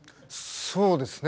そうですね